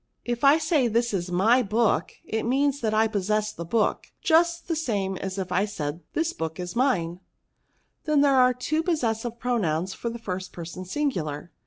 If I say this is , 168 PRONOUNS. my book, it means that I possess the book, just the same as if I said this book is mne/' " Then there are two possessive pronouns for the first person singular."